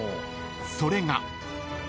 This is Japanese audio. ［それが］